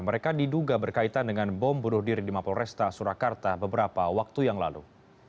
mereka diduga berkaitan dengan bom bunuh diri di mapol resta surakarta beberapa waktu yang lalu